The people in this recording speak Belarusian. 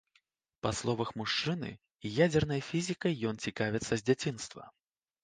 Па словах мужчыны, ядзернай фізікай ён цікавіцца з дзяцінства.